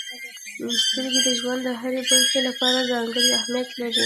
•سترګې د ژوند د هرې برخې لپاره ځانګړې اهمیت لري.